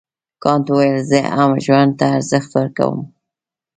کانت وویل زه هم ژوند ته ارزښت ورکوم.